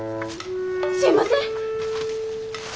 すいません！